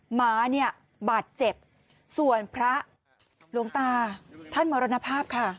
หมาเนี่ยบาดเจ็บส่วนพระหลวงตาท่านมรณภาพค่ะ